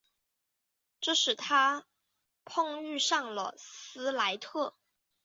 这使他碰遇上了斯莱特。